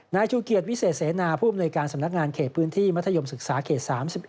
นายชูเกียจวิเศษเสนาผู้อำนวยการสำนักงานเขตพื้นที่มัธยมศึกษาเขต๓๑